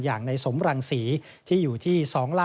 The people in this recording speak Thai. อย่างในสมรังศรีที่อยู่ที่